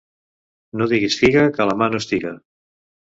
No diguis figa que a la mà no estiga.